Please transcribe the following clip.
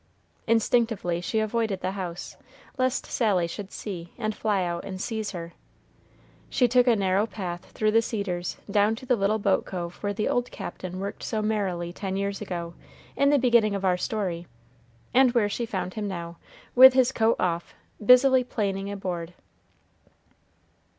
Instinctively she avoided the house, lest Sally should see and fly out and seize her. She took a narrow path through the cedars down to the little boat cove where the old Captain worked so merrily ten years ago, in the beginning of our story, and where she found him now, with his coat off, busily planing a board.